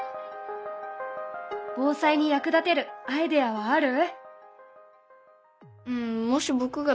防災に役立てるアイデアはある？